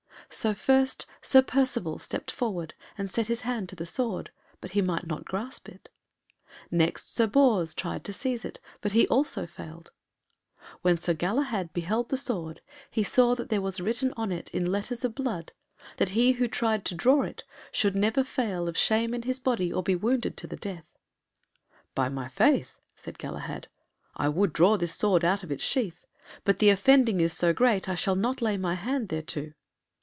So first Sir Percivale stepped forward and set his hand to the sword, but he might not grasp it. Next Sir Bors tried to seize it, but he also failed. When Sir Galahad beheld the sword, he saw that there was written on it, in letters of blood, that he who tried to draw it should never fail of shame in his body or be wounded to the death. "By my faith," said Galahad, "I would draw this sword out of its sheath, but the offending is so great I shall not lay my hand thereto."